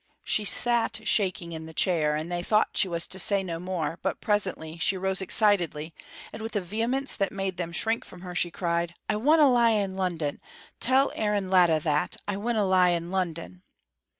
She sat shaking in the chair, and they thought she was to say no more, but presently she rose excitedly, and with a vehemence that made them shrink from her she cried: "I winna lie in London! tell Aaron Latta that; I winna lie in London!"